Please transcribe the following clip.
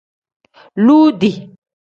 Loodi.